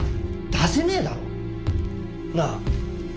出せねえだろ？なあ。